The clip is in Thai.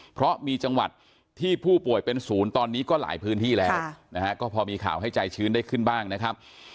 เพราะมีจังหวัดที่ผู้ป่วยเป็นศูนย์ตอนนี้ก็หลายพื้นที่แล้วก็พอมีข่าวให้ใจชื้นได้ขึ้นบ้างนะครับ